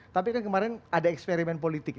tapi kan kemarin ada eksperimen politik